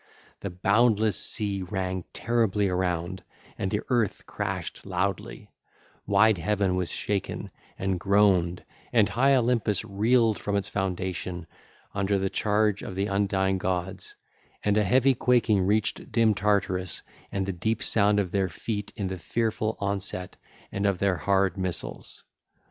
The boundless sea rang terribly around, and the earth crashed loudly: wide Heaven was shaken and groaned, and high Olympus reeled from its foundation under the charge of the undying gods, and a heavy quaking reached dim Tartarus and the deep sound of their feet in the fearful onset and of their hard missiles.